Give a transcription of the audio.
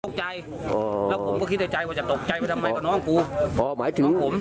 ตกใจอ๋อแล้วผมก็คิดในใจว่าจะตกใจไปทำไมกับน้องกูอ๋อหมายถึงน้องผม